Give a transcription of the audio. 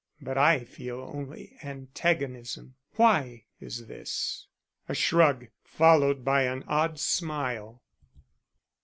But I feel only antagonism. Why is this?" A shrug, followed by an odd smile.